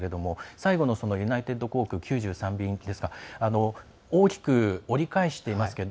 最後のユナイテッド航空９３便は大きく折り返していますけど